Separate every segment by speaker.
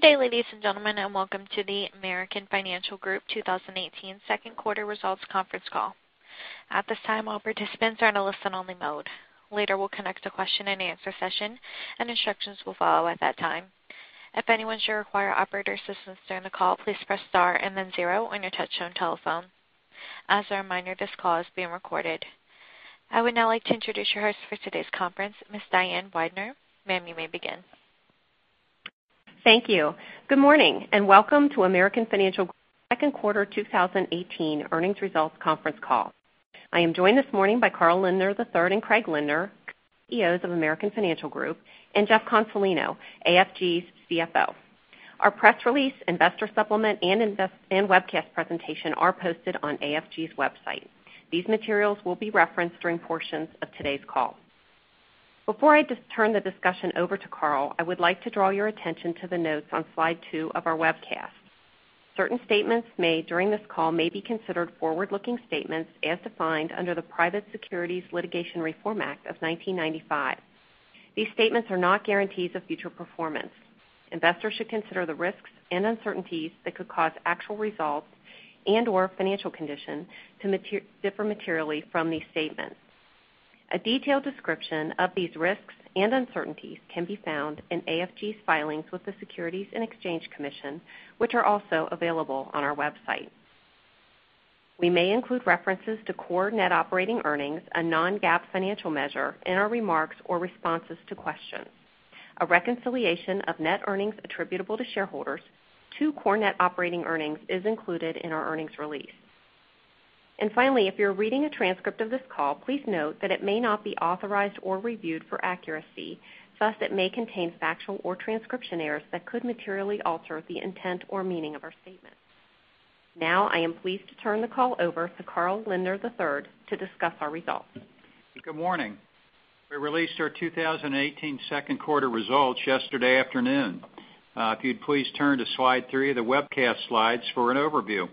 Speaker 1: Good day, ladies and gentlemen, and welcome to the American Financial Group 2018 second quarter results conference call. At this time, all participants are in a listen-only mode. Later, we'll conduct a question and answer session, and instructions will follow at that time. If anyone should require operator assistance during the call, please press star and then zero on your touchtone telephone. As a reminder, this call is being recorded. I would now like to introduce your host for today's conference, Ms. Diane Weidner. Ma'am, you may begin.
Speaker 2: Thank you. Good morning, and welcome to American Financial Group's second quarter 2018 earnings results conference call. I am joined this morning by Carl Lindner III and Craig Lindner, CEOs of American Financial Group, and Jeff Consolino, AFG's CFO. Our press release, investor supplement, and webcast presentation are posted on AFG's website. These materials will be referenced during portions of today's call. Before I turn the discussion over to Carl, I would like to draw your attention to the notes on slide two of our webcast. Certain statements made during this call may be considered forward-looking statements as defined under the Private Securities Litigation Reform Act of 1995. These statements are not guarantees of future performance. Investors should consider the risks and uncertainties that could cause actual results and/or financial condition to differ materially from these statements. A detailed description of these risks and uncertainties can be found in AFG's filings with the Securities and Exchange Commission, which are also available on our website. We may include references to core net operating earnings, a non-GAAP financial measure, in our remarks or responses to questions. A reconciliation of net earnings attributable to shareholders to core net operating earnings is included in our earnings release. Finally, if you're reading a transcript of this call, please note that it may not be authorized or reviewed for accuracy, thus it may contain factual or transcription errors that could materially alter the intent or meaning of our statements. Now, I am pleased to turn the call over to Carl Lindner III to discuss our results.
Speaker 3: Good morning. We released our 2018 second quarter results yesterday afternoon. If you'd please turn to slide three of the webcast slides for an overview.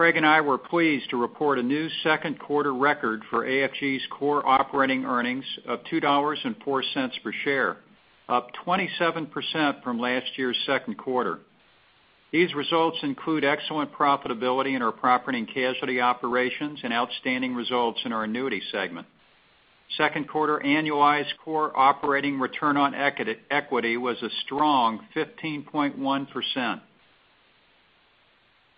Speaker 3: Craig and I were pleased to report a new second quarter record for AFG's core operating earnings of $2.04 per share, up 27% from last year's second quarter. These results include excellent profitability in our property and casualty operations and outstanding results in our annuity segment. Second quarter annualized core operating return on equity was a strong 15.1%.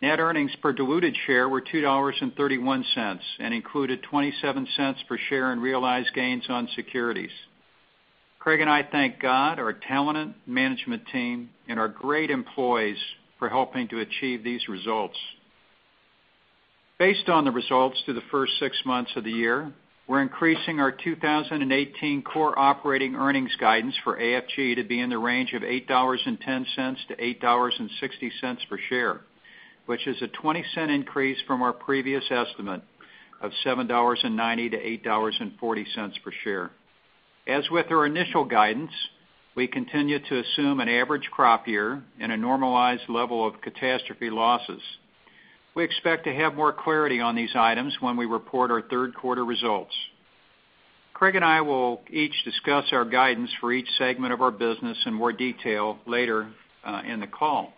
Speaker 3: Net earnings per diluted share were $2.31 and included $0.27 per share in realized gains on securities. Craig and I thank God, our talented management team, and our great employees for helping to achieve these results. Based on the results through the first six months of the year, we're increasing our 2018 core operating earnings guidance for AFG to be in the range of $8.10 to $8.60 per share, which is a $0.20 increase from our previous estimate of $7.90 to $8.40 per share. As with our initial guidance, we continue to assume an average crop year and a normalized level of catastrophe losses. We expect to have more clarity on these items when we report our third quarter results. Craig and I will each discuss our guidance for each segment of our business in more detail later in the call.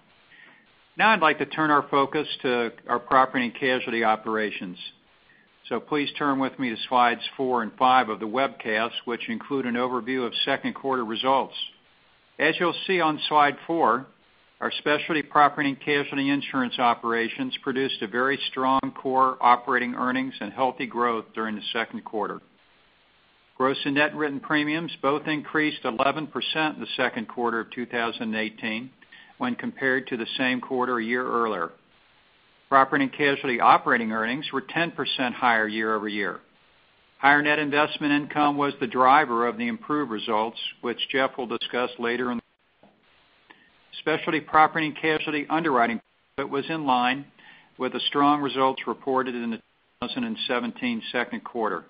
Speaker 3: I'd like to turn our focus to our property and casualty operations. Please turn with me to slides four and five of the webcast, which include an overview of second quarter results. As you'll see on slide four, our specialty property and casualty insurance operations produced a very strong core operating earnings and healthy growth during the second quarter. Gross and net written premiums both increased 11% in the second quarter of 2018 when compared to the same quarter a year earlier. Property and casualty operating earnings were 10% higher year-over-year. Higher net investment income was the driver of the improved results, which Jeff will discuss later in the call. Specialty property and casualty underwriting profit was in line with the strong results reported in the 2017 second quarter.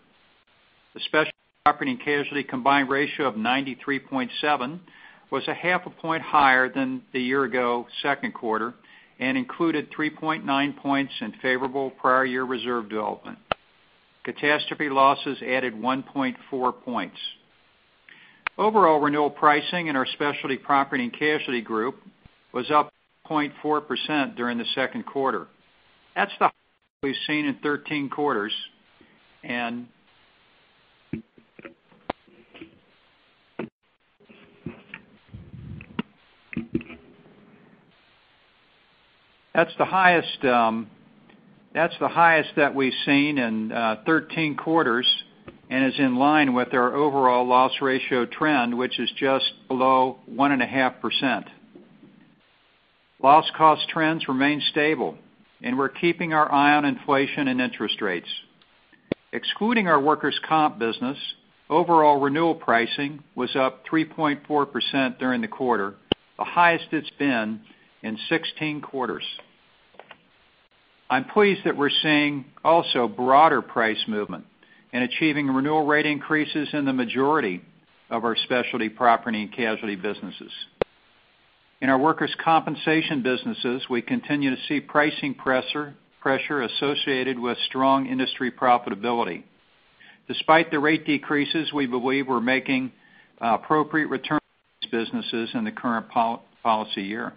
Speaker 3: The specialty property and casualty combined ratio of 93.7 was a half a point higher than the year ago second quarter and included 3.9 points in favorable prior year reserve development. Catastrophe losses added 1.4 points. Overall renewal pricing in our specialty property and casualty group was up 0.4% during the second quarter. That's the highest we've seen in 13 quarters, and is in line with our overall loss ratio trend, which is just below 1.5%. Loss cost trends remain stable, and we're keeping our eye on inflation and interest rates. Excluding our workers' comp business, overall renewal pricing was up 3.4% during the quarter, the highest it's been in 16 quarters. I'm pleased that we're seeing also broader price movement in achieving renewal rate increases in the majority of our specialty property and casualty businesses. In our workers' compensation businesses, we continue to see pricing pressure associated with strong industry profitability. Despite the rate decreases, we believe we're making appropriate returns businesses in the current policy year.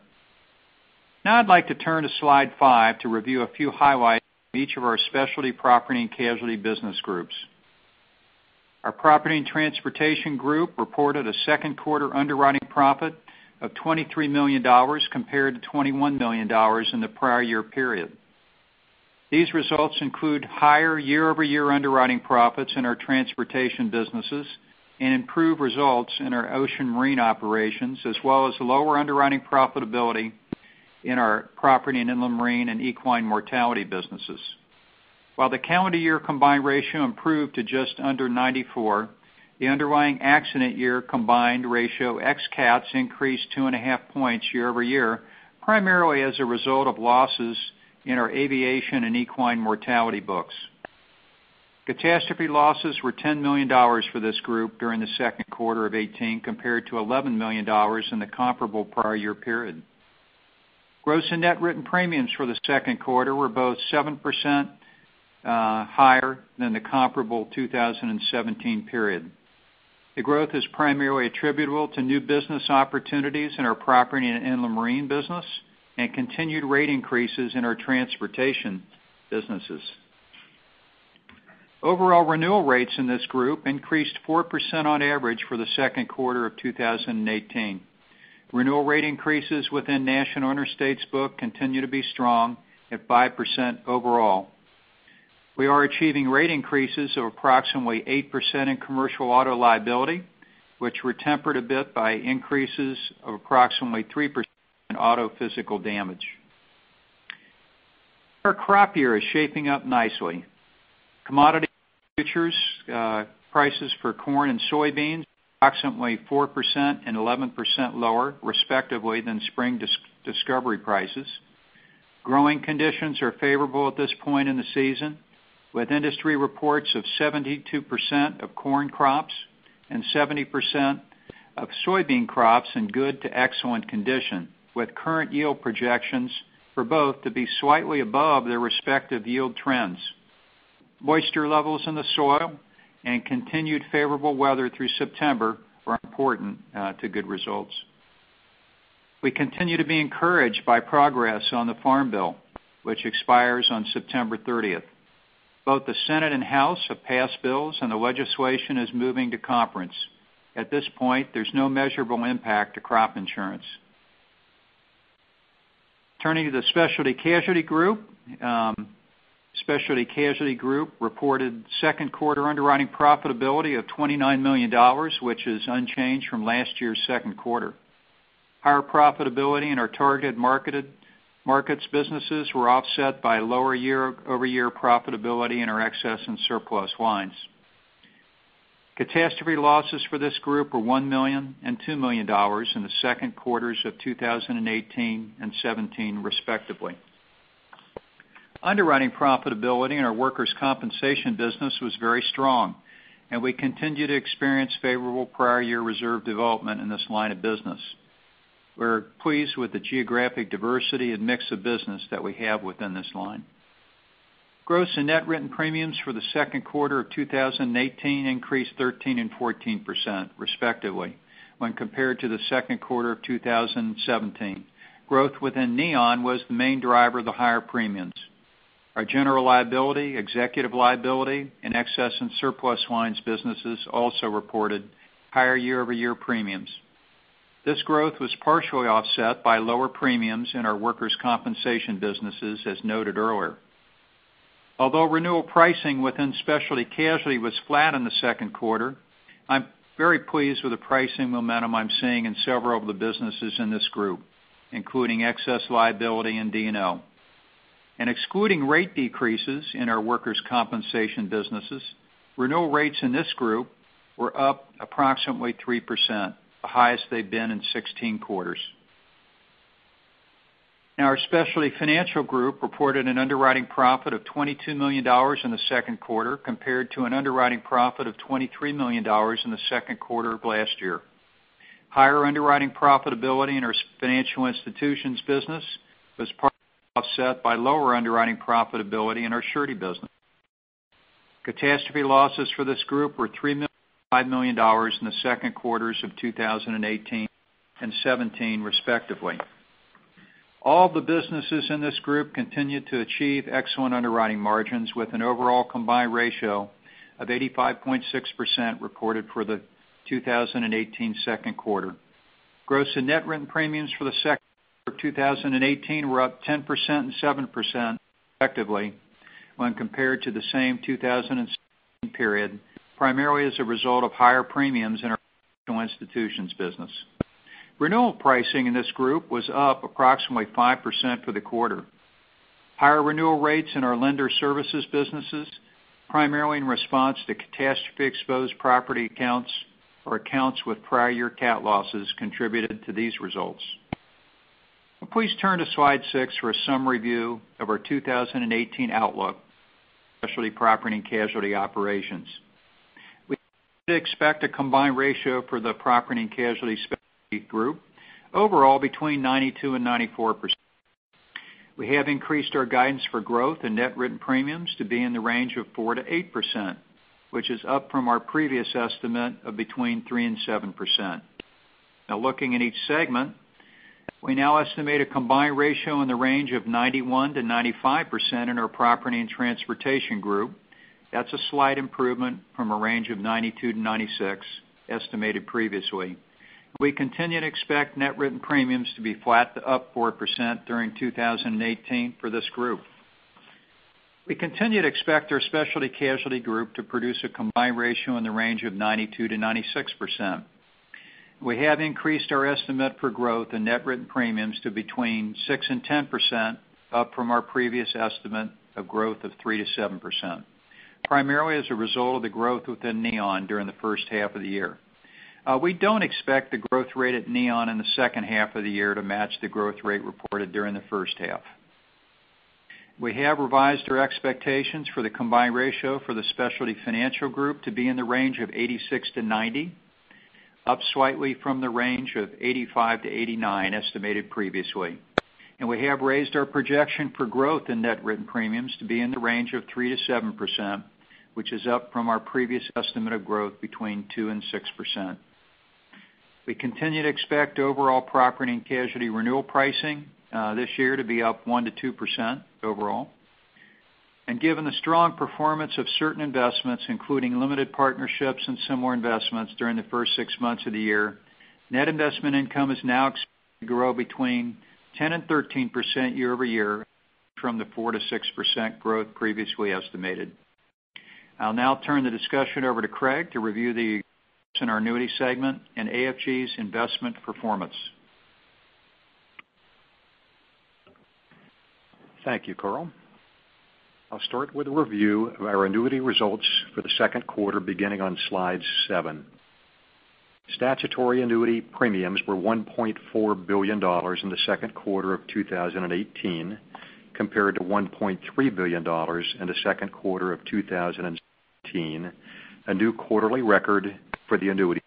Speaker 3: I'd like to turn to slide five to review a few highlights from each of our specialty property and casualty business groups. Our property and transportation group reported a second quarter underwriting profit of $23 million compared to $21 million in the prior year period. These results include higher year-over-year underwriting profits in our transportation businesses and improved results in our ocean marine operations, as well as lower underwriting profitability in our property and inland marine and equine mortality businesses. While the calendar year combined ratio improved to just under 94, the underlying accident year combined ratio ex-cats increased two and a half points year-over-year, primarily as a result of losses in our aviation and equine mortality books. Catastrophe losses were $10 million for this group during the second quarter of 2018, compared to $11 million in the comparable prior year period. Gross and net written premiums for the second quarter were both 7% higher than the comparable 2017 period. The growth is primarily attributable to new business opportunities in our property and inland marine business and continued rate increases in our transportation businesses. Overall renewal rates in this group increased 4% on average for the second quarter of 2018. Renewal rate increases within National Interstate's book continue to be strong at 5% overall. We are achieving rate increases of approximately 8% in commercial auto liability, which were tempered a bit by increases of approximately 3% in auto physical damage. Our crop year is shaping up nicely. Commodity futures prices for corn and soybeans approximately 4% and 11% lower, respectively, than spring discovery prices. Growing conditions are favorable at this point in the season, with industry reports of 72% of corn crops and 70% of soybean crops in good to excellent condition, with current yield projections for both to be slightly above their respective yield trends. Moisture levels in the soil and continued favorable weather through September are important to good results. We continue to be encouraged by progress on the Farm Bill, which expires on September 30th. Both the Senate and House have passed bills, the legislation is moving to conference. At this point, there's no measurable impact to crop insurance. Turning to the Specialty Casualty Group. Specialty Casualty Group reported second quarter underwriting profitability of $29 million, which is unchanged from last year's second quarter. Higher profitability in our target markets businesses were offset by lower year-over-year profitability in our excess and surplus lines. Catastrophe losses for this group were $1 million and $2 million in the second quarters of 2018 and 2017, respectively. Underwriting profitability in our workers' compensation business was very strong, we continue to experience favorable prior year reserve development in this line of business. We're pleased with the geographic diversity and mix of business that we have within this line. Gross and net written premiums for the second quarter of 2018 increased 13% and 14%, respectively, when compared to the second quarter of 2017. Growth within Neon was the main driver of the higher premiums. Our general liability, executive liability, and excess and surplus lines businesses also reported higher year-over-year premiums. This growth was partially offset by lower premiums in our workers' compensation businesses, as noted earlier. Although renewal pricing within specialty casualty was flat in the second quarter, I'm very pleased with the pricing momentum I'm seeing in several of the businesses in this group, including excess liability and D&O. Excluding rate decreases in our workers' compensation businesses, renewal rates in this group were up approximately 3%, the highest they've been in 16 quarters. Our Specialty Financial Group reported an underwriting profit of $22 million in the second quarter, compared to an underwriting profit of $23 million in the second quarter of last year. Higher underwriting profitability in our financial institutions business was partly offset by lower underwriting profitability in our surety business. Catastrophe losses for this group were $3 million and $5 million in the second quarters of 2018 and 2017, respectively. All the businesses in this group continued to achieve excellent underwriting margins, with an overall combined ratio of 85.6% reported for the 2018 second quarter. Gross and net written premiums for the second quarter of 2018 were up 10% and 7%, respectively, when compared to the same 2017 period, primarily as a result of higher premiums in our financial institutions business. Renewal pricing in this group was up approximately 5% for the quarter. Higher renewal rates in our lender services businesses, primarily in response to catastrophe exposed property accounts or accounts with prior year cat losses, contributed to these results. Please turn to slide six for a summary view of our 2018 outlook Specialty Property and Casualty operations. We expect a combined ratio for the Property and Casualty Specialty Group overall between 92%-94%. We have increased our guidance for growth in net written premiums to be in the range of 4%-8%, which is up from our previous estimate of between 3%-7%. Looking at each segment, we now estimate a combined ratio in the range of 91%-95% in our Property and Transportation Group. That's a slight improvement from a range of 92%-96% estimated previously. We continue to expect net written premiums to be flat to up 4% during 2018 for this group. We continue to expect our Specialty Casualty Group to produce a combined ratio in the range of 92%-96%. We have increased our estimate for growth in net written premiums to between 6%-10%, up from our previous estimate of growth of 3%-7%, primarily as a result of the growth within Neon during the first half of the year. We don't expect the growth rate at Neon in the second half of the year to match the growth rate reported during the first half. We have revised our expectations for the combined ratio for the Specialty Financial Group to be in the range of 86%-90%, up slightly from the range of 85%-89% estimated previously. We have raised our projection for growth in net written premiums to be in the range of 3%-7%, which is up from our previous estimate of growth between 2%-6%. We continue to expect overall property and casualty renewal pricing this year to be up 1%-2% overall. Given the strong performance of certain investments, including limited partnerships and similar investments during the first six months of the year, net investment income is now expected to grow between 10%-13% year-over-year, from the 4%-6% growth previously estimated. I'll now turn the discussion over to Craig to review the results in our annuity segment and AFG's investment performance.
Speaker 4: Thank you, Carl. I'll start with a review of our annuity results for the second quarter beginning on slide seven. Statutory annuity premiums were $1.4 billion in the second quarter of 2018, compared to $1.3 billion in the second quarter of 2017, a new quarterly record for the annuity.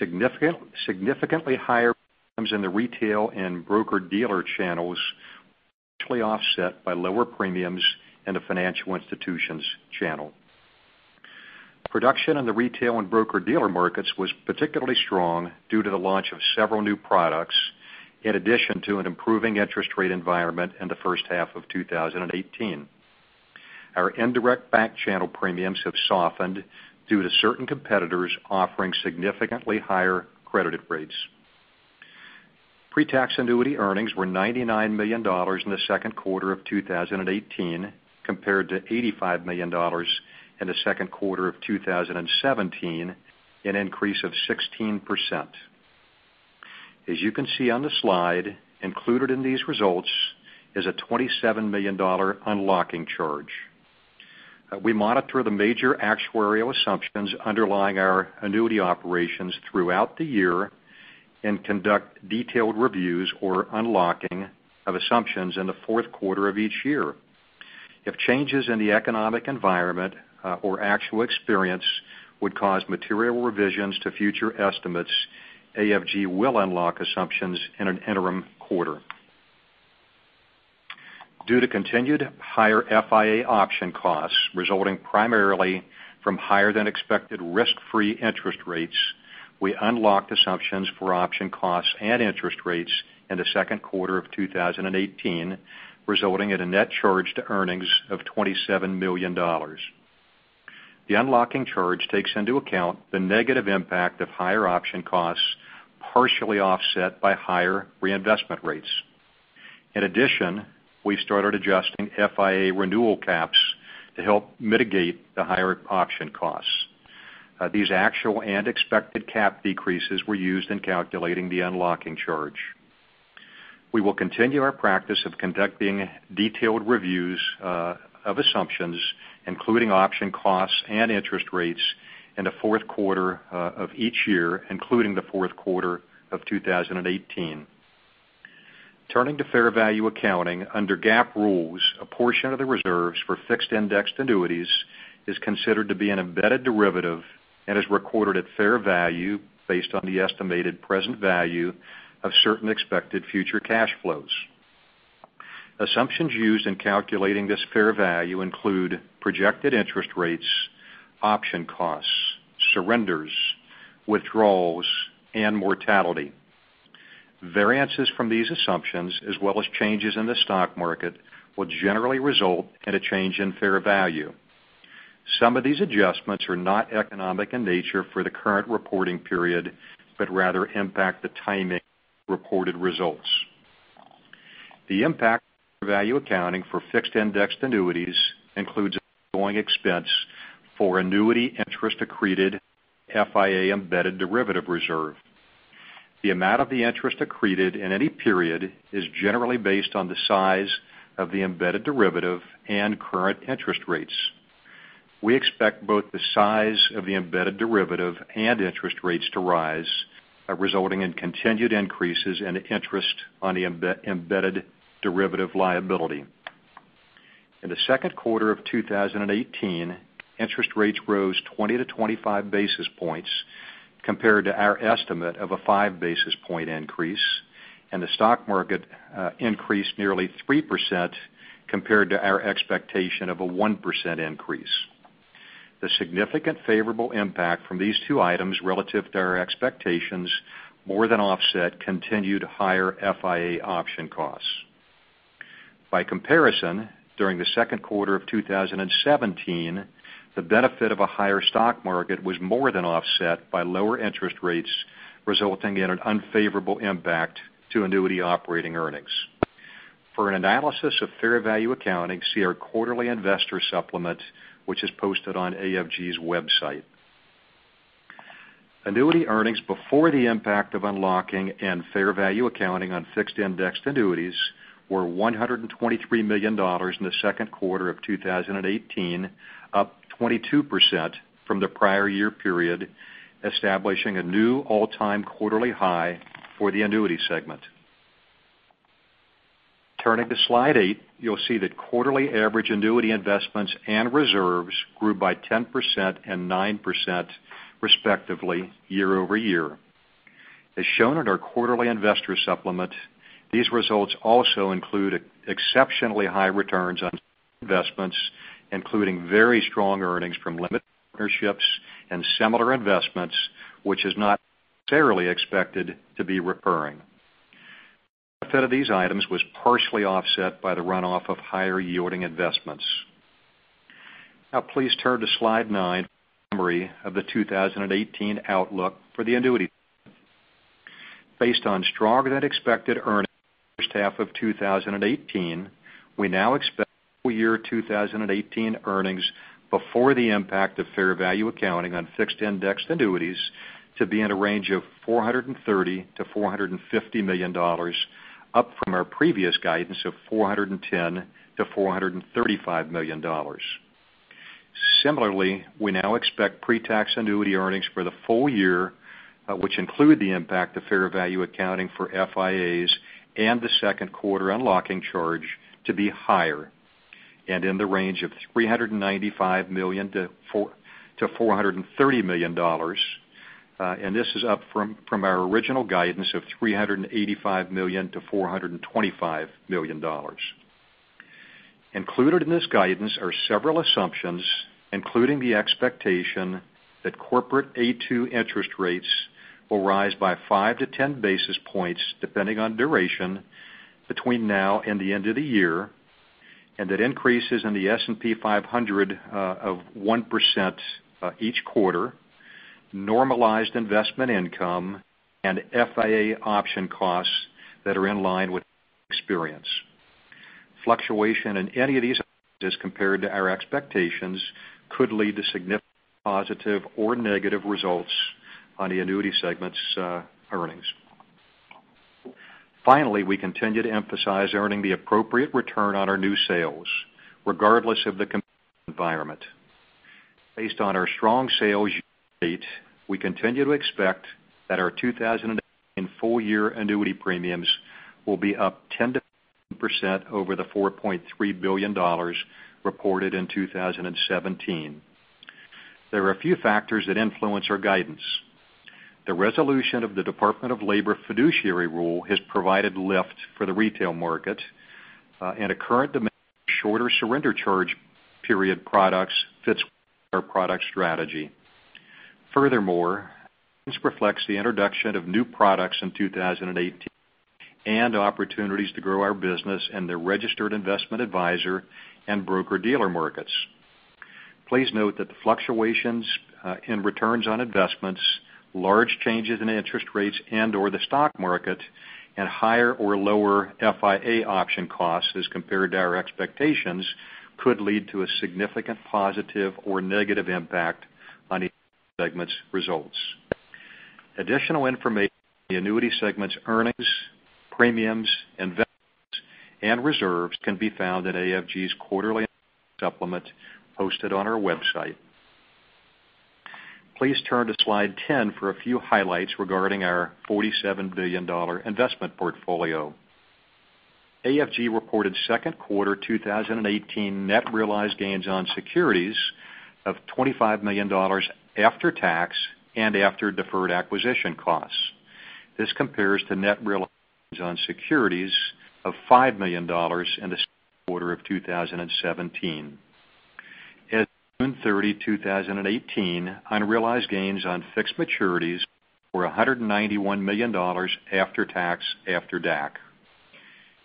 Speaker 4: Significantly higher premiums in the retail and broker-dealer channels, partially offset by lower premiums in the financial institutions channel. Production in the retail and broker-dealer markets was particularly strong due to the launch of several new products, in addition to an improving interest rate environment in the first half of 2018. Our indirect bank channel premiums have softened due to certain competitors offering significantly higher credited rates. Pre-tax annuity earnings were $99 million in the second quarter of 2018, compared to $85 million in the second quarter of 2017, an increase of 16%. As you can see on the slide, included in these results is a $27 million unlocking charge. We monitor the major actuarial assumptions underlying our annuity operations throughout the year and conduct detailed reviews or unlocking of assumptions in the fourth quarter of each year. If changes in the economic environment or actual experience would cause material revisions to future estimates, AFG will unlock assumptions in an interim quarter. Due to continued higher FIA option costs, resulting primarily from higher than expected risk-free interest rates, we unlocked assumptions for option costs and interest rates in the second quarter of 2018, resulting in a net charge to earnings of $27 million. The unlocking charge takes into account the negative impact of higher option costs, partially offset by higher reinvestment rates. In addition, we started adjusting FIA renewal caps to help mitigate the higher option costs. These actual and expected cap decreases were used in calculating the unlocking charge. We will continue our practice of conducting detailed reviews of assumptions, including option costs and interest rates in the fourth quarter of each year, including the fourth quarter of 2018. Turning to fair value accounting, under GAAP rules, a portion of the reserves for fixed-indexed annuities is considered to be an embedded derivative and is recorded at fair value based on the estimated present value of certain expected future cash flows. Assumptions used in calculating this fair value include projected interest rates, option costs, surrenders, withdrawals, and mortality. Variances from these assumptions, as well as changes in the stock market, will generally result in a change in fair value. Some of these adjustments are not economic in nature for the current reporting period, but rather impact the timing of reported results. The impact of fair value accounting for fixed-indexed annuities includes an ongoing expense for annuity interest accreted FIA embedded derivative reserve. The amount of the interest accreted in any period is generally based on the size of the embedded derivative and current interest rates. We expect both the size of the embedded derivative and interest rates to rise, resulting in continued increases in interest on the embedded derivative liability. In the second quarter of 2018, interest rates rose 20 to 25 basis points compared to our estimate of a five basis point increase, and the stock market increased nearly 3% compared to our expectation of a 1% increase. The significant favorable impact from these two items relative to our expectations more than offset continued higher FIA option costs. By comparison, during the second quarter of 2017, the benefit of a higher stock market was more than offset by lower interest rates, resulting in an unfavorable impact to annuity operating earnings. For an analysis of fair value accounting, see our quarterly investor supplement, which is posted on AFG's website. Annuity earnings before the impact of unlocking and fair value accounting on fixed-indexed annuities were $123 million in the second quarter of 2018, up 22% from the prior year period, establishing a new all-time quarterly high for the annuity segment. Turning to slide eight, you'll see that quarterly average annuity investments and reserves grew by 10% and 9%, respectively, year-over-year. As shown in our quarterly investor supplement, these results also include exceptionally high returns on investments, including very strong earnings from limited partnerships and similar investments, which is not necessarily expected to be recurring. Please turn to slide nine for a summary of the 2018 outlook for the annuity. Based on stronger than expected earnings first half of 2018, we now expect full year 2018 earnings before the impact of fair value accounting on fixed-indexed annuities to be in a range of $430 million-$450 million, up from our previous guidance of $410 million-$435 million. Similarly, we now expect pre-tax annuity earnings for the full year, which include the impact of fair value accounting for FIAs and the second quarter unlocking charge to be higher and in the range of $395 million-$430 million. This is up from our original guidance of $385 million-$425 million. Included in this guidance are several assumptions, including the expectation that corporate A2 interest rates will rise by five-10 basis points, depending on duration between now and the end of the year, and that increases in the S&P 500 of 1% each quarter, normalized investment income, and FIA option costs that are in line with experience. Fluctuation in any of these as compared to our expectations could lead to significant positive or negative results on the annuity segment's earnings. Finally, we continue to emphasize earning the appropriate return on our new sales, regardless of the environment. Based on our strong sales year-to-date, we continue to expect that our 2018 full year annuity premiums will be up 10%-15% over the $4.3 billion reported in 2017. There are a few factors that influence our guidance. The resolution of the Department of Labor Fiduciary Rule has provided lift for the retail market, a current shorter surrender charge period products fits our product strategy. Furthermore, this reflects the introduction of new products in 2018 and opportunities to grow our business in the Registered Investment Advisor and broker-dealer markets. Please note that the fluctuations in returns on investments, large changes in interest rates and/or the stock market, and higher or lower FIA option costs as compared to our expectations could lead to a significant positive or negative impact on each segment's results. Additional information, the annuity segment's earnings, premiums, investments, and reserves can be found at AFG's quarterly supplement posted on our website. Please turn to slide 10 for a few highlights regarding our $47 billion investment portfolio. AFG reported second quarter 2018 net realized gains on securities of $25 million after tax and after deferred acquisition costs. This compares to net realized gains on securities of $5 million in the second quarter of 2017. As of June 30, 2018, unrealized gains on fixed maturities were $191 million after tax, after DAC.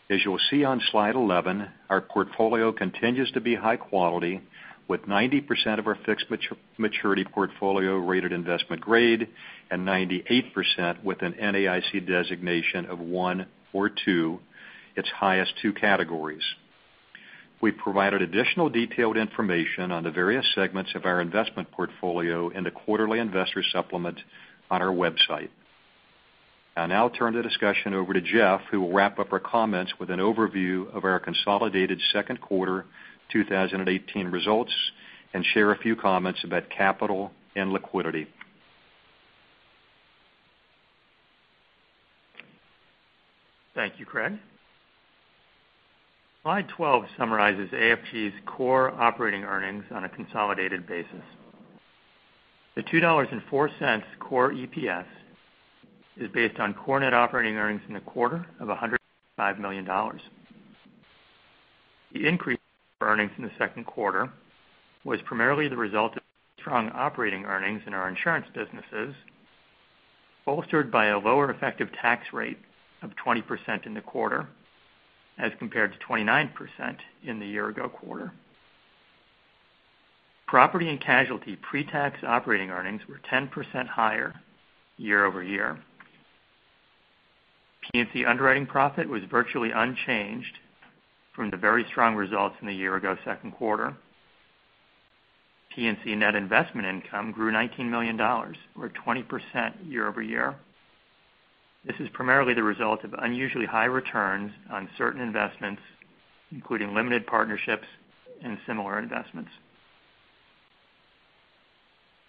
Speaker 4: As you will see on slide 11, our portfolio continues to be high quality, with 90% of our fixed maturity portfolio rated investment grade and 98% with an NAIC designation of 1 or 2, its highest two categories. We provided additional detailed information on the various segments of our investment portfolio in the quarterly investor supplement on our website. I'll now turn the discussion over to Jeff, who will wrap up our comments with an overview of our consolidated second quarter 2018 results and share a few comments about capital and liquidity.
Speaker 5: Thank you, Craig. Slide 12 summarizes AFG's core operating earnings on a consolidated basis. The $2.04 core EPS is based on core net operating earnings in the quarter of $105 million. The increase in earnings in the second quarter was primarily the result of strong operating earnings in our insurance businesses, bolstered by a lower effective tax rate of 20% in the quarter as compared to 29% in the year-ago quarter. Property and casualty pre-tax operating earnings were 10% higher year-over-year. P&C underwriting profit was virtually unchanged from the very strong results in the year-ago second quarter. P&C net investment income grew $19 million or 20% year-over-year. This is primarily the result of unusually high returns on certain investments, including limited partnerships and similar investments.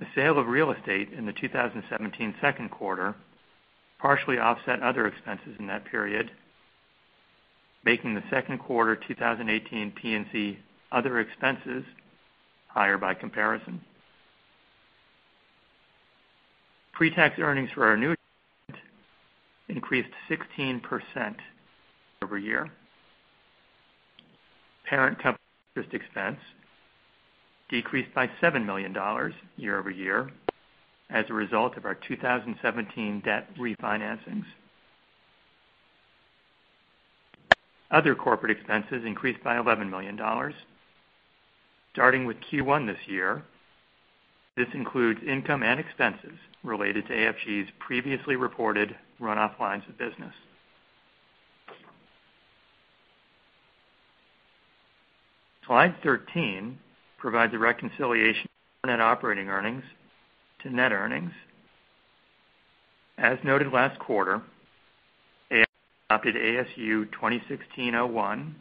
Speaker 5: The sale of real estate in the 2017 second quarter partially offset other expenses in that period, making the second quarter 2018 P&C other expenses higher by comparison. Pre-tax earnings for our new segment increased 16% year-over-year. Parent company interest expense decreased by $7 million year-over-year as a result of our 2017 debt refinancings. Other corporate expenses increased by $11 million. Starting with Q1 this year, this includes income and expenses related to AFG's previously reported runoff lines of business. Slide 13 provides a reconciliation of net operating earnings to net earnings. As noted last quarter, AFG adopted ASU 2016-01,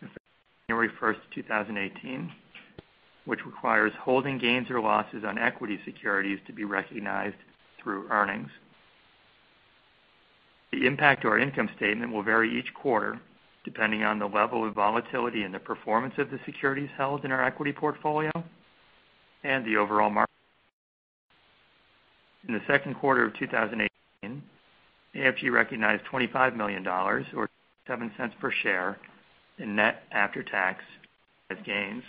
Speaker 5: effective January 1st, 2018, which requires holding gains or losses on equity securities to be recognized through earnings. The impact to our income statement will vary each quarter depending on the level of volatility and the performance of the securities held in our equity portfolio and the overall market. In the second quarter of 2018, AFG recognized $25 million or $0.27 per share in net after-tax realized gains.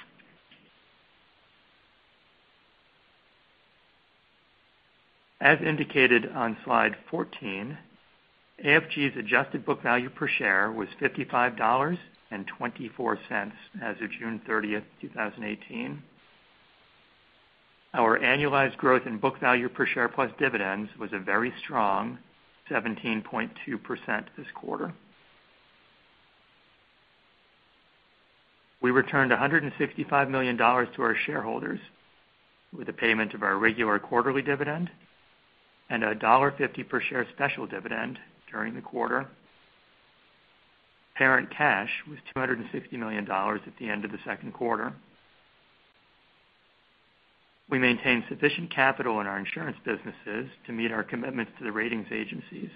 Speaker 5: As indicated on slide 14, AFG's adjusted book value per share was $55.24 as of June 30th, 2018. Our annualized growth in book value per share plus dividends was a very strong 17.2% this quarter. We returned $165 million to our shareholders with the payment of our regular quarterly dividend and a $1.50 per share special dividend during the quarter. Parent cash was $260 million at the end of the second quarter. We maintained sufficient capital in our insurance businesses to meet our commitments to the ratings agencies.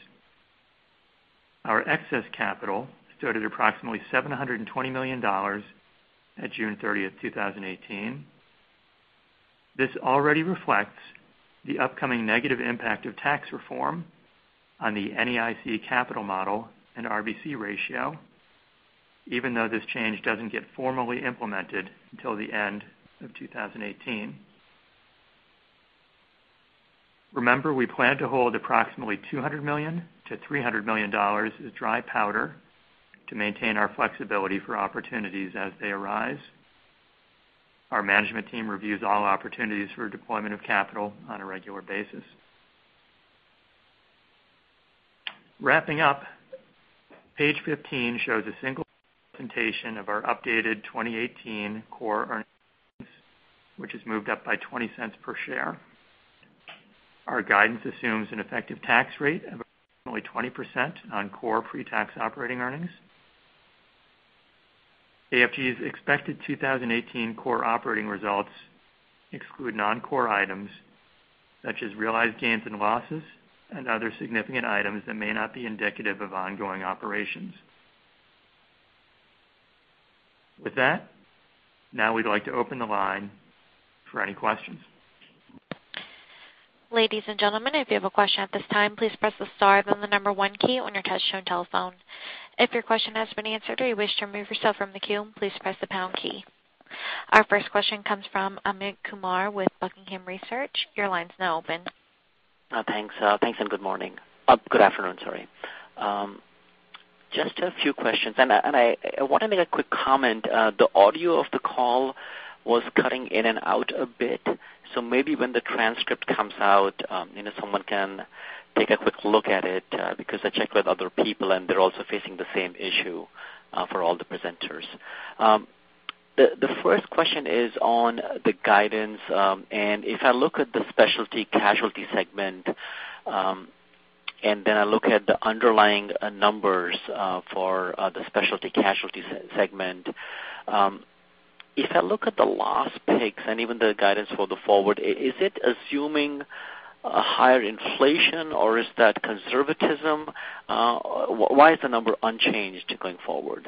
Speaker 5: Our excess capital stood at approximately $720 million at June 30th, 2018. We plan to hold approximately $200 million-$300 million as dry powder to maintain our flexibility for opportunities as they arise. Our management team reviews all opportunities for deployment of capital on a regular basis. Wrapping up, page 15 shows a single presentation of our updated 2018 core earnings, which has moved up by $0.20 per share. Our guidance assumes an effective tax rate of approximately 20% on core pre-tax operating earnings. AFG's expected 2018 core operating results exclude non-core items such as realized gains and losses and other significant items that may not be indicative of ongoing operations. Now we'd like to open the line for any questions.
Speaker 1: Ladies and gentlemen, if you have a question at this time, please press the star then the number 1 key on your touch-tone telephone. If your question has been answered or you wish to remove yourself from the queue, please press the pound key. Our first question comes from Amit Kumar with Buckingham Research. Your line's now open.
Speaker 6: Thanks. Good morning. Good afternoon, sorry. Just a few questions. I want to make a quick comment. The audio of the call was cutting in and out a bit. Maybe when the transcript comes out, someone can take a quick look at it, because I checked with other people, and they're also facing the same issue for all the presenters. The first question is on the guidance, and if I look at the specialty casualty segment, and then I look at the underlying numbers for the specialty casualty segment If I look at the last picks and even the guidance for the forward, is it assuming a higher inflation or is that conservatism? Why is the number unchanged going forward?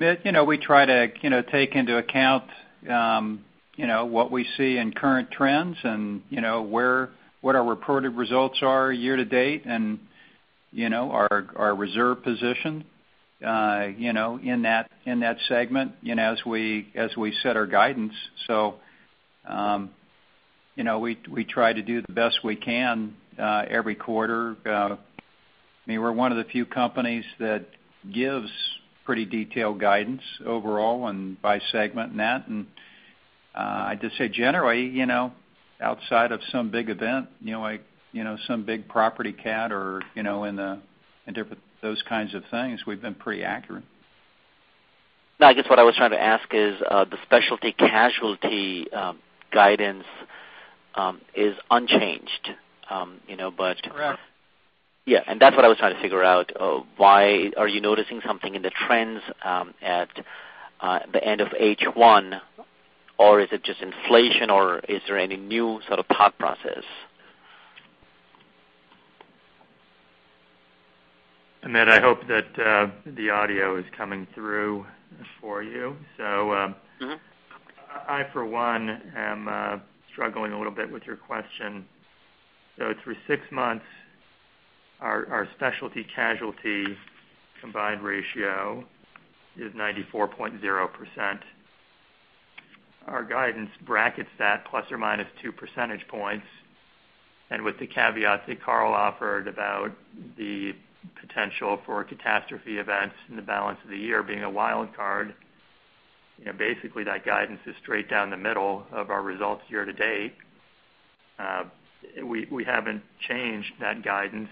Speaker 3: Amit, we try to take into account what we see in current trends and what our reported results are year to date and our reserve position in that segment as we set our guidance. We try to do the best we can every quarter. We're one of the few companies that gives pretty detailed guidance overall and by segment in that. I'd just say, generally, outside of some big event, like some big property cat or in those kinds of things, we've been pretty accurate.
Speaker 6: No, I guess what I was trying to ask is, the specialty casualty guidance is unchanged?
Speaker 3: Correct.
Speaker 6: Yeah. That's what I was trying to figure out. Are you noticing something in the trends at the end of H1, or is it just inflation, or is there any new sort of thought process?
Speaker 5: Amit, I hope that the audio is coming through for you. I, for one, am struggling a little bit with your question. Through six months, our specialty casualty combined ratio is 94.0%. Our guidance brackets that plus or minus two percentage points, and with the caveat that Carl offered about the potential for catastrophe events and the balance of the year being a wild card. Basically, that guidance is straight down the middle of our results year to date. We haven't changed that guidance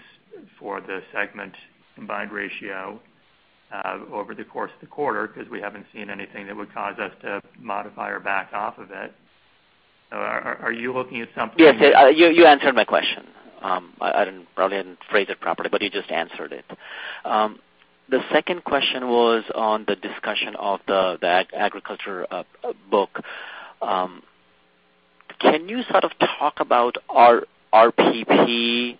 Speaker 5: for the segment combined ratio over the course of the quarter because we haven't seen anything that would cause us to modify or back off of it. Are you looking at something?
Speaker 6: Yes. You answered my question. I probably didn't phrase it properly, but you just answered it. The second question was on the discussion of the agriculture book. Can you sort of talk about RPP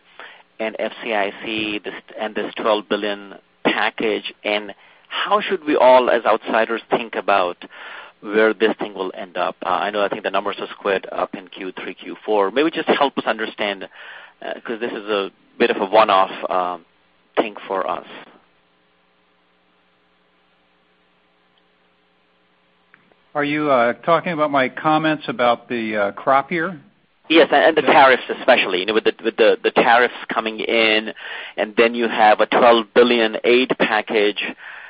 Speaker 6: and FCIC and this $12 billion package, and how should we all, as outsiders, think about where this thing will end up? I know, I think the numbers are squared up in Q3, Q4. Maybe just help us understand, because this is a bit of a one-off thing for us.
Speaker 3: Are you talking about my comments about the crop year?
Speaker 6: Yes, the tariffs especially. With the tariffs coming in, you have a $12 billion aid package,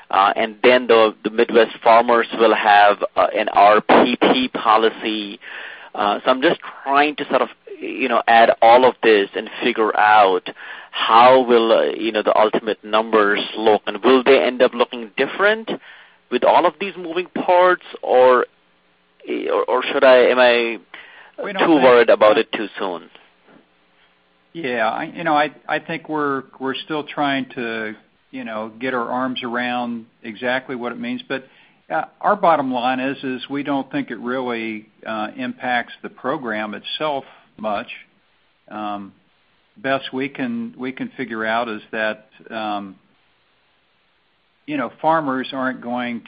Speaker 6: the Midwest farmers will have an RPP policy. I'm just trying to sort of add all of this and figure out how will the ultimate numbers look, and will they end up looking different with all of these moving parts or am I too worried about it too soon?
Speaker 3: Yeah. I think we're still trying to get our arms around exactly what it means. Our bottom line is we don't think it really impacts the program itself much. Best we can figure out is that we don't think farmers are going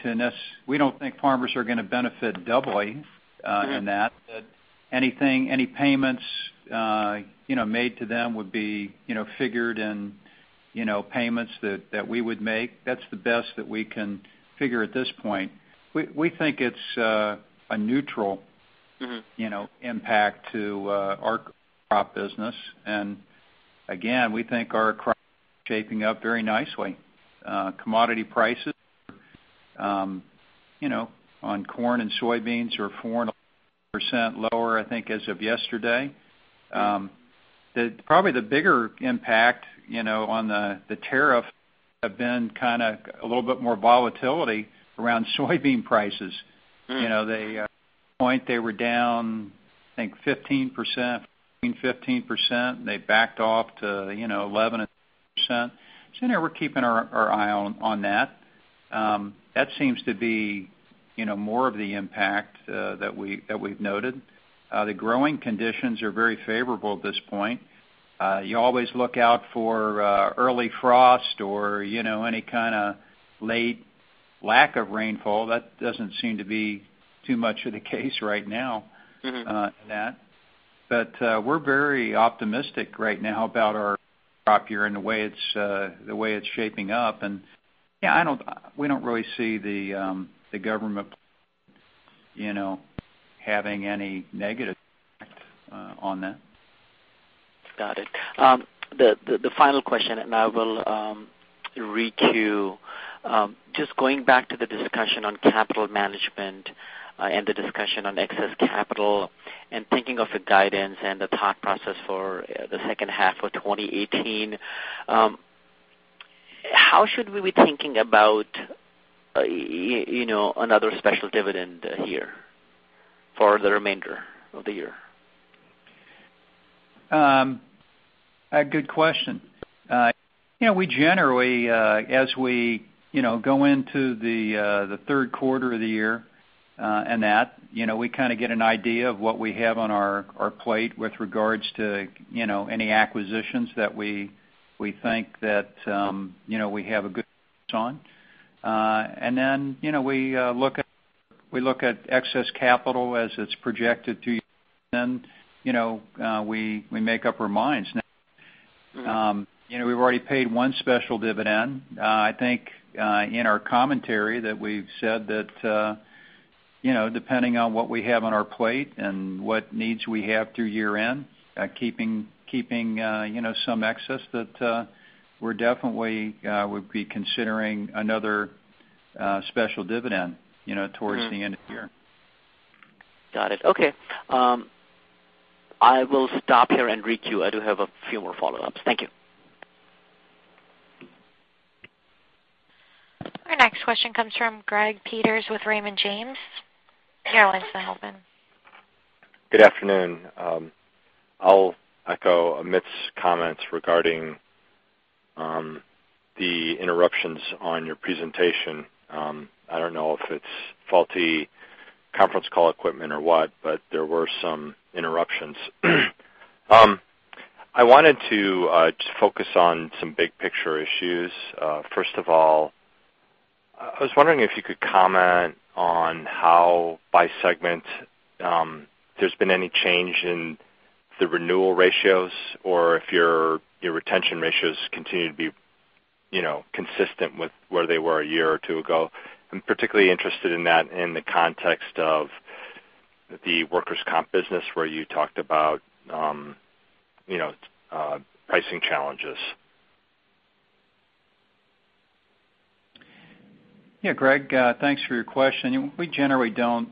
Speaker 3: to benefit doubly in that.
Speaker 6: Right.
Speaker 3: Any payments made to them would be figured in payments that we would make. That's the best that we can figure at this point. We think it's a neutral. impact to our crop business. Again, we think our crop is shaping up very nicely. Commodity prices on corn and soybeans are 4% lower, I think, as of yesterday. Probably the bigger impact on the tariff have been kind of a little bit more volatility around soybean prices. At one point they were down, I think 15%, between 15%, and they backed off to 11%. We're keeping our eye on that. That seems to be more of the impact that we've noted. The growing conditions are very favorable at this point. You always look out for early frost or any kind of late lack of rainfall. That doesn't seem to be too much of the case right now. in that. We're very optimistic right now about our crop year and the way it's shaping up. Yeah, we don't really see the government having any negative impact on that.
Speaker 6: Got it. The final question, I will read to you. Just going back to the discussion on capital management and the discussion on excess capital and thinking of the guidance and the thought process for the second half of 2018. How should we be thinking about another special dividend here for the remainder of the year?
Speaker 3: A good question. We generally, as we go into the third quarter of the year and that, we get an idea of what we have on our plate with regards to any acquisitions that we think that we have a good on. Then we look at excess capital as it's projected through then we make up our minds. We've already paid one special dividend. I think, in our commentary that we've said that depending on what we have on our plate and what needs we have through year-end, keeping some excess, that we definitely would be considering another special dividend towards the end of the year.
Speaker 6: Got it. Okay. I will stop here and requeue. I do have a few more follow-ups. Thank you.
Speaker 1: Our next question comes from Greg Peters with Raymond James. Caroline, stand open.
Speaker 7: Good afternoon. I'll echo Amit's comments regarding the interruptions on your presentation. I don't know if it's faulty conference call equipment or what, but there were some interruptions. I wanted to just focus on some big picture issues. First of all, I was wondering if you could comment on how, by segment, there's been any change in the renewal ratios or if your retention ratios continue to be consistent with where they were a year or two ago. I'm particularly interested in that in the context of the workers' comp business where you talked about pricing challenges.
Speaker 3: Yeah, Greg, thanks for your question. We generally don't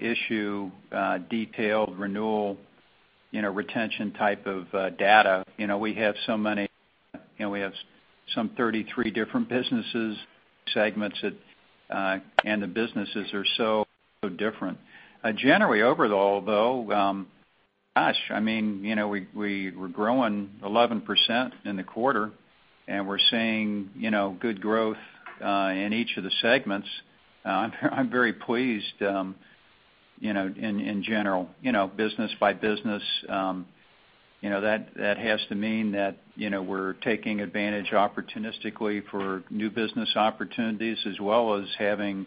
Speaker 3: issue detailed renewal retention type of data. We have so many. We have some 33 different businesses segments, and the businesses are so different. Generally, overall though, gosh, we're growing 11% in the quarter, and we're seeing good growth in each of the segments. I'm very pleased in general. Business by business, that has to mean that we're taking advantage opportunistically for new business opportunities as well as having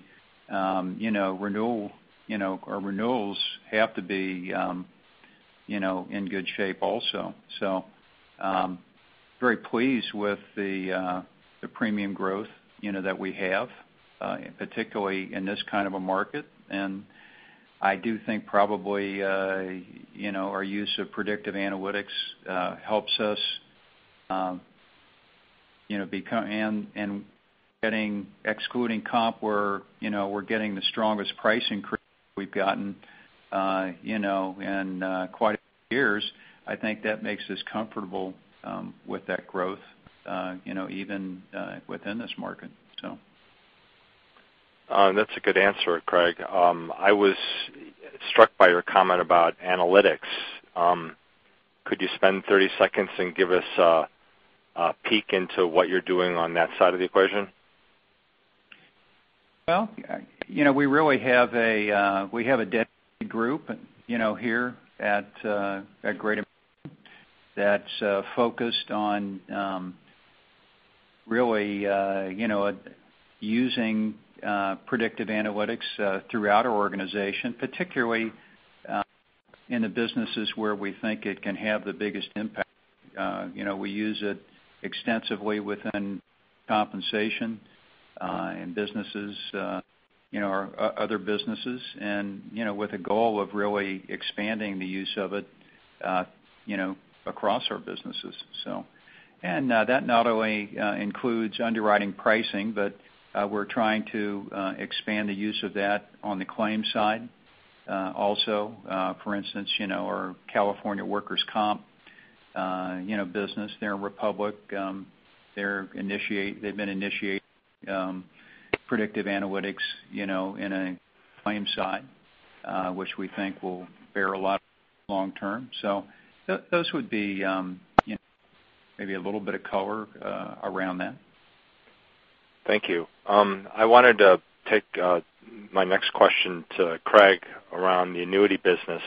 Speaker 3: our renewals have to be in good shape also. Very pleased with the premium growth that we have, particularly in this kind of a market. I do think probably our use of predictive analytics helps us and excluding comp, we're getting the strongest pricing we've gotten in quite a few years. I think that makes us comfortable with that growth even within this market.
Speaker 7: That's a good answer, Craig. I was struck by your comment about analytics. Could you spend 30 seconds and give us a peek into what you're doing on that side of the equation?
Speaker 3: Well, we really have a dedicated group here at Great American that's focused on really using predictive analytics throughout our organization, particularly in the businesses where we think it can have the biggest impact. We use it extensively within compensation in our other businesses and with a goal of really expanding the use of it across our businesses. That not only includes underwriting pricing, but we're trying to expand the use of that on the claims side. Also, for instance, our California workers' comp business there in Republic, they've been initiating predictive analytics in a claim side, which we think will bear a lot long term. Those would be maybe a little bit of color around that.
Speaker 7: Thank you. I wanted to take my next question to Craig around the annuity business.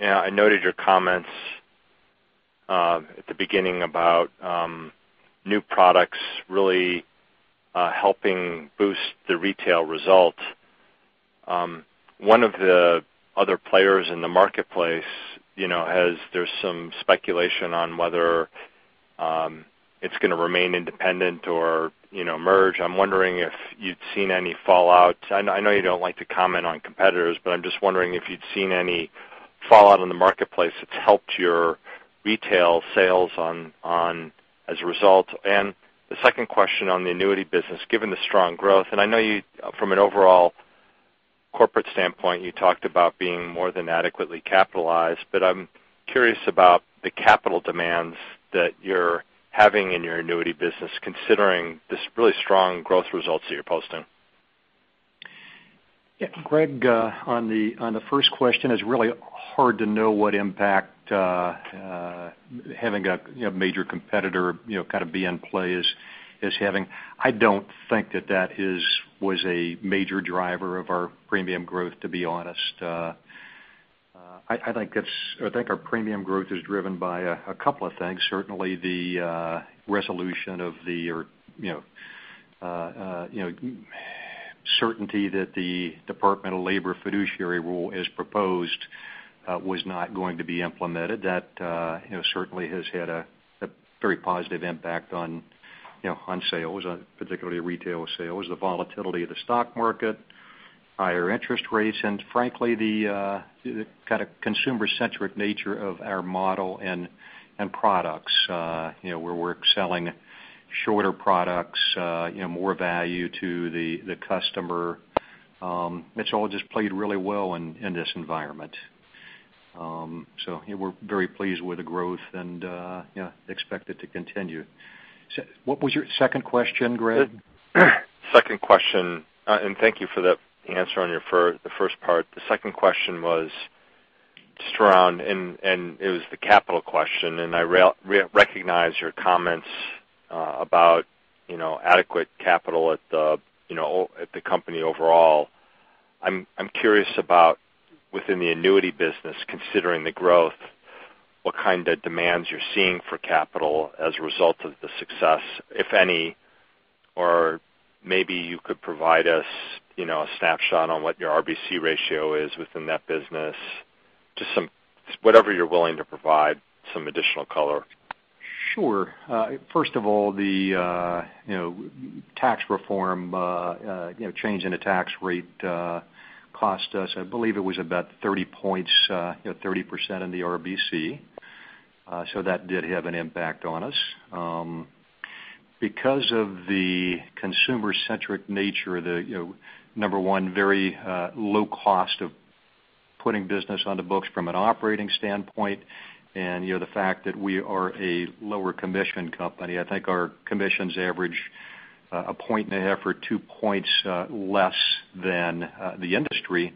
Speaker 7: I noted your comments at the beginning about new products really helping boost the retail result. One of the other players in the marketplace, there's some speculation on whether it's going to remain independent or merge. I'm wondering if you'd seen any fallout. I know you don't like to comment on competitors, but I'm just wondering if you'd seen any fallout in the marketplace that's helped your retail sales as a result. The second question on the annuity business, given the strong growth, and I know from an overall corporate standpoint, you talked about being more than adequately capitalized, but I'm curious about the capital demands that you're having in your annuity business, considering this really strong growth results that you're posting.
Speaker 4: Greg, on the first question, it's really hard to know what impact having a major competitor be in play is having. I don't think that that was a major driver of our premium growth, to be honest. I think our premium growth is driven by a couple of things. Certainly the resolution of the or certainty that the Department of Labor Fiduciary Rule, as proposed, was not going to be implemented. That certainly has had a very positive impact on sales, particularly retail sales, the volatility of the stock market, higher interest rates, and frankly, the kind of consumer-centric nature of our model and products. Where we're selling shorter products, more value to the customer. It's all just played really well in this environment. We're very pleased with the growth and expect it to continue. What was your second question, Greg?
Speaker 7: Second question, thank you for the answer on the first part. The second question was just around, it was the capital question, I recognize your comments about adequate capital at the company overall. I'm curious about within the annuity business, considering the growth, what kind of demands you're seeing for capital as a result of the success, if any. Or maybe you could provide us a snapshot on what your RBC ratio is within that business, just whatever you're willing to provide some additional color.
Speaker 4: Sure. First of all, the tax reform, change in the tax rate cost us, I believe it was about 30 points, 30% in the RBC. That did have an impact on us. Because of the consumer centric nature, the number one, very low cost of putting business on the books from an operating standpoint, and the fact that we are a lower commission company, I think our commissions average a point and a half or two points less than the industry.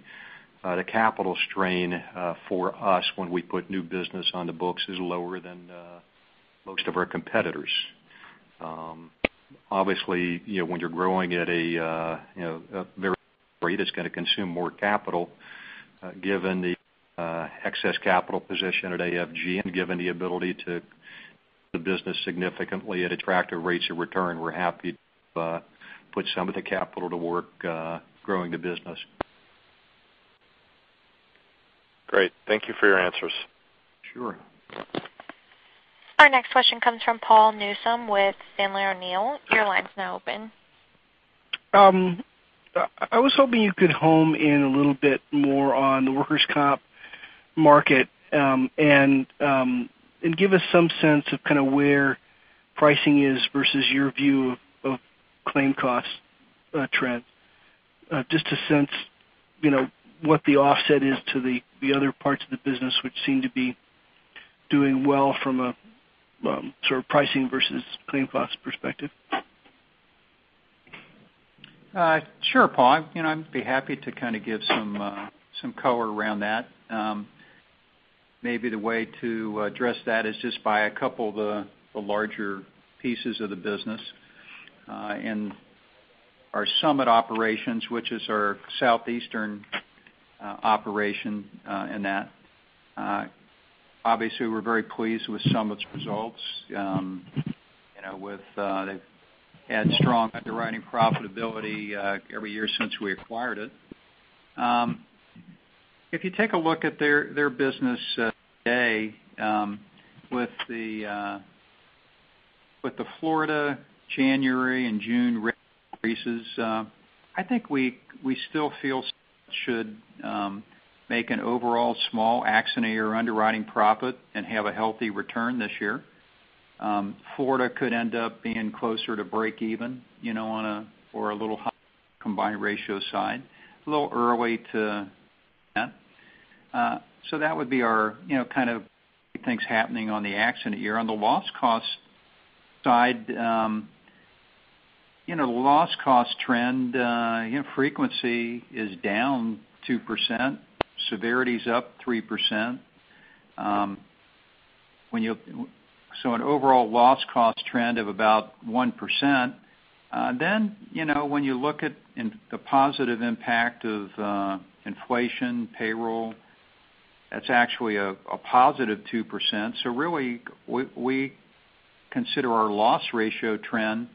Speaker 4: The capital strain for us when we put new business on the books is lower than most of our competitors. Obviously, when you're growing at a very high rate, it's going to consume more capital. Given the excess capital position at AFG and given the ability to the business significantly at attractive rates of return, we're happy to put some of the capital to work growing the business.
Speaker 7: Great. Thank you for your answers.
Speaker 4: Sure.
Speaker 1: Our next question comes from Paul Newsome with Sandler O'Neill. Your line's now open.
Speaker 8: I was hoping you could hone in a little bit more on the workers' comp market, and give us some sense of kind of where pricing is versus your view of claim cost trends. Just to sense what the offset is to the other parts of the business, which seem to be doing well from a sort of pricing versus claim cost perspective.
Speaker 4: Sure, Paul. I'd be happy to kind of give some color around that. Maybe the way to address that is just by a couple of the larger pieces of the business. In our Summit operations, which is our Southeastern operation in that obviously we're very pleased with Summit's results. They've had strong underwriting profitability every year since we acquired it. If you take a look at their business today with the Florida January and June rate increases, I think we still feel Summit should make an overall small accident year underwriting profit and have a healthy return this year. Florida could end up being closer to breakeven on a, or a little high combined ratio side. A little early to that. That would be our kind of things happening on the accident year. On the loss cost side, the loss cost trend, frequency is down 2%, severity's up 3%. An overall loss cost trend of about 1%. When you look at the positive impact of inflation, payroll, that's actually a positive 2%. Really, we consider our loss ratio trend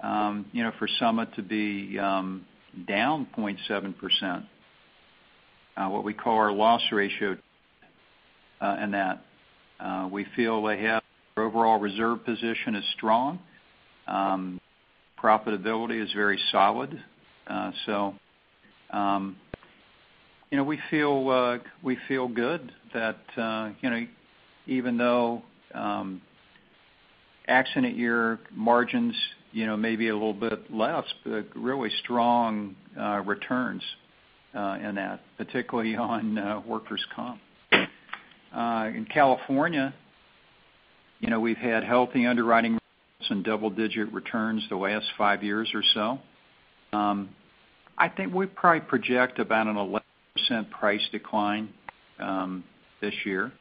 Speaker 4: for Summit to be down 0.7%, what we call our loss ratio in that. We feel they have their overall reserve position is strong. Profitability is very solid. We feel good that even though accident year margins may be a little bit less, really strong returns in that, particularly on workers' comp. In California, we've had healthy underwriting and double-digit returns the last 5 years or so. I think we probably project about an 11% price decline this year.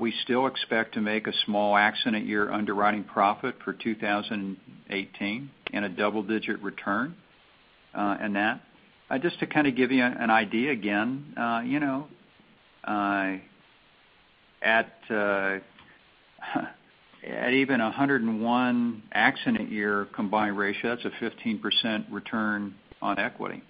Speaker 4: We still expect to make a small accident year underwriting profit for 2018 and a double-digit return in that. Just to kind of give you an idea again, at even 101 accident year combined ratio, that's a 15% return on equity.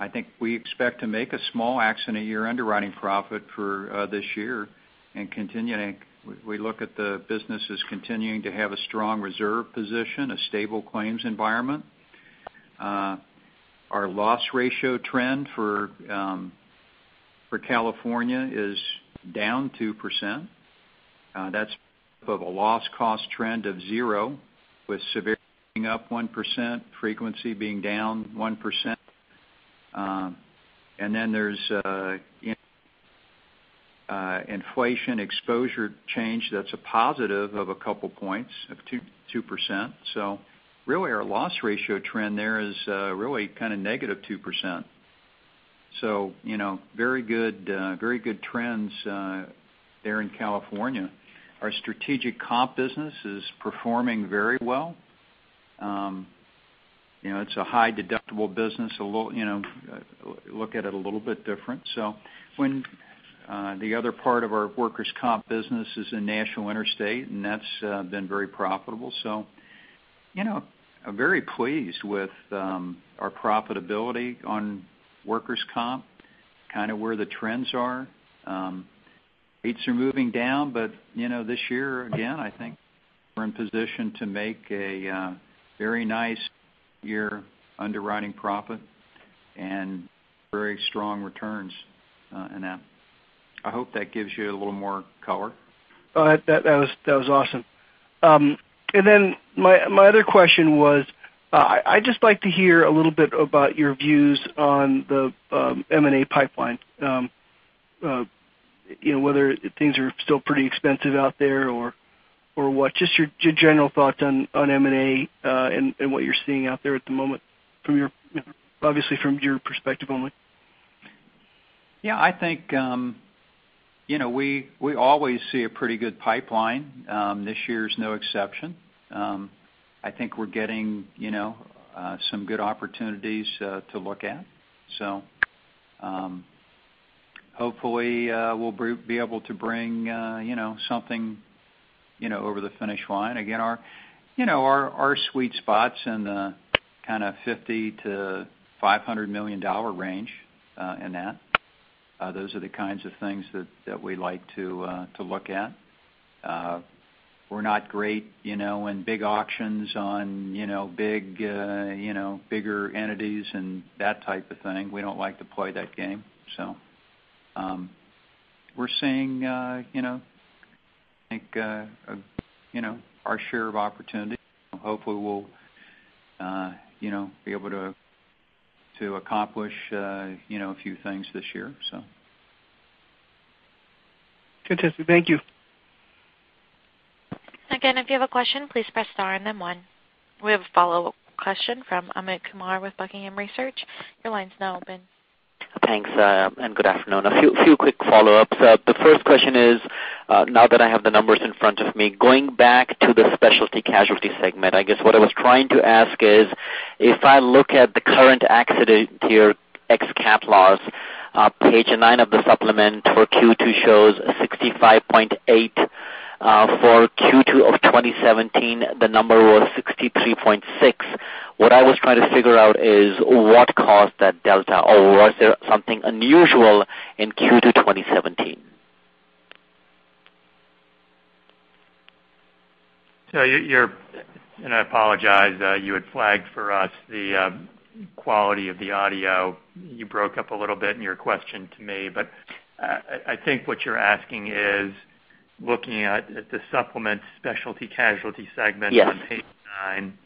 Speaker 4: I think we expect to make a small accident year underwriting profit for this year and continuing. We look at the business as continuing to have a strong reserve position, a stable claims environment. Our loss ratio trend for California is down 2%. That's of a loss cost trend of zero, with severity being up 1%, frequency being down 1%. There's inflation exposure change that's a positive of a couple points of 2%. Really our loss ratio trend there is really kind of negative 2%. Very good trends there in California. Our Strategic Comp business is performing very well. It's a high deductible business, look at it a little bit different. When the other part of our workers' comp business is in National Interstate, that's been very profitable. I'm very pleased with our profitability on workers' comp, kind of where the trends are. Rates are moving down, this year, again, I think we're in position to make a very nice year underwriting profit and very strong returns in that. I hope that gives you a little more color.
Speaker 8: That was awesome. My other question was, I'd just like to hear a little bit about your views on the M&A pipeline. Whether things are still pretty expensive out there or what. Just your general thoughts on M&A, and what you're seeing out there at the moment, obviously from your perspective only.
Speaker 3: I think we always see a pretty good pipeline. This year is no exception. I think we're getting some good opportunities to look at. Hopefully, we'll be able to bring something over the finish line. Again, our sweet spot's in the kind of $50 million-$500 million range in that. Those are the kinds of things that we like to look at. We're not great in big auctions on bigger entities and that type of thing. We don't like to play that game. We're seeing our share of opportunity. Hopefully we'll be able to accomplish a few things this year.
Speaker 8: Fantastic. Thank you.
Speaker 1: Again, if you have a question, please press star and then one. We have a follow-up question from Amit Kumar with Buckingham Research. Your line's now open.
Speaker 6: Thanks, and good afternoon. A few quick follow-ups. The first question is, now that I have the numbers in front of me, going back to the specialty casualty segment, I guess what I was trying to ask is, if I look at the current accident year ex-cat loss, page nine of the supplement for Q2 shows 65.8%. For Q2 of 2017, the number was 63.6%. What I was trying to figure out is what caused that delta, or was there something unusual in Q2 2017?
Speaker 3: You're, and I apologize, you had flagged for us the quality of the audio. You broke up a little bit in your question to me. I think what you're asking is looking at the supplement specialty casualty segment-
Speaker 6: Yes
Speaker 3: on page nine.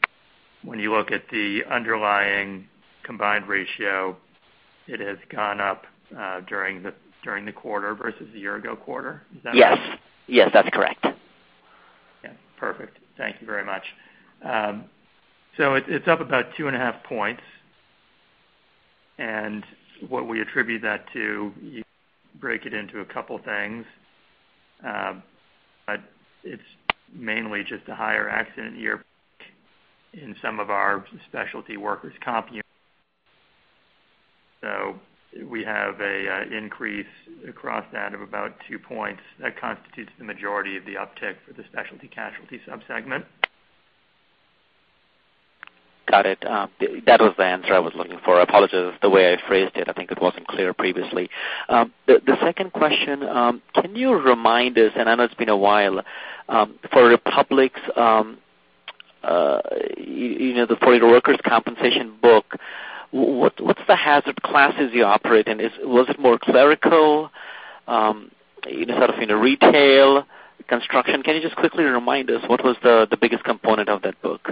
Speaker 3: When you look at the underlying combined ratio, it has gone up during the quarter versus the year ago quarter. Is that right?
Speaker 6: Yes. That's correct.
Speaker 3: Yeah. Perfect. Thank you very much. It's up about 2.5 points. What we attribute that to, you break it into a couple things. It's mainly just a higher accident year in some of our specialty workers' compensation units. We have an increase across that of about 2 points. That constitutes the majority of the uptick for the specialty casualty sub-segment.
Speaker 6: Got it. That was the answer I was looking for. Apologies the way I phrased it. I think it wasn't clear previously. The second question, can you remind us, and I know it's been a while, for Republic's the $40 workers' compensation book, what's the hazard classes you operate in? Was it more clerical, sort of in retail, construction? Can you just quickly remind us what was the biggest component of that book?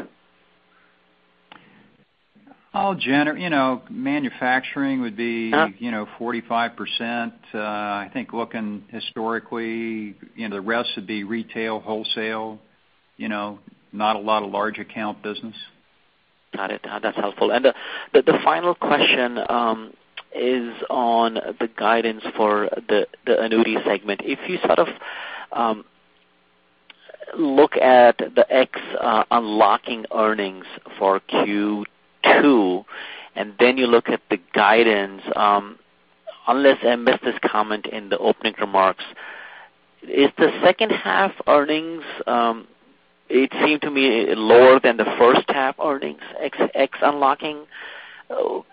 Speaker 3: Jen, manufacturing would be-
Speaker 9: 45%. I think looking historically, the rest would be retail, wholesale, not a lot of large account business.
Speaker 6: Got it. That's helpful. The final question is on the guidance for the annuity segment. If you sort of look at the ex unlocking earnings for Q2, then you look at the guidance, unless I missed this comment in the opening remarks, is the second half earnings, it seemed to me, lower than the first half earnings, ex unlocking.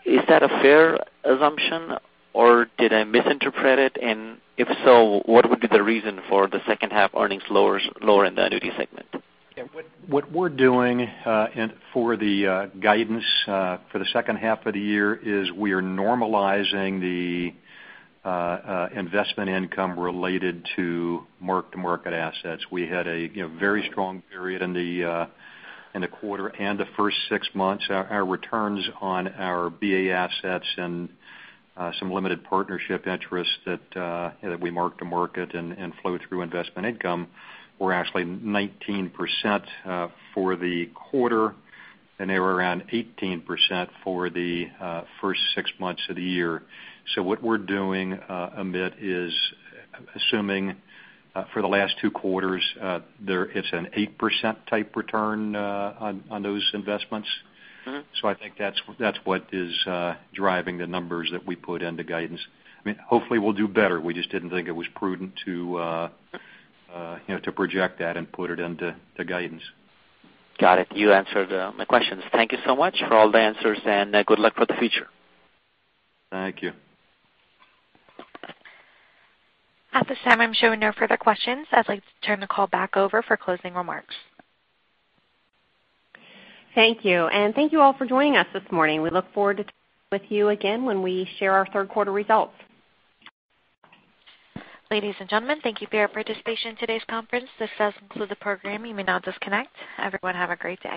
Speaker 6: Is that a fair assumption or did I misinterpret it? If so, what would be the reason for the second half earnings lower in the annuity segment?
Speaker 4: Yeah. What we're doing for the guidance for the second half of the year is we are normalizing the investment income related to mark-to-market assets. We had a very strong period in the quarter and the first six months. Our returns on our BA assets and some limited partnership interests that we mark-to-market and flow through investment income were actually 19% for the quarter, and they were around 18% for the first six months of the year. What we're doing, Amit, is assuming for the last two quarters, it's an 8% type return on those investments. I think that's what is driving the numbers that we put in the guidance. Hopefully, we'll do better. We just didn't think it was prudent to project that and put it into the guidance.
Speaker 6: Got it. You answered my questions. Thank you so much for all the answers, good luck for the future.
Speaker 4: Thank you.
Speaker 1: At this time, I'm showing no further questions. I'd like to turn the call back over for closing remarks.
Speaker 3: Thank you, and thank you all for joining us this morning. We look forward to talking with you again when we share our third quarter results.
Speaker 1: Ladies and gentlemen, thank you for your participation in today's conference. This does conclude the program. You may now disconnect. Everyone have a great day.